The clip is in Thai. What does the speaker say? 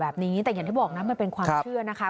แบบนี้แต่อย่างที่บอกนะมันเป็นความเชื่อนะคะ